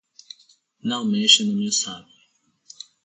Não mexe no meu zap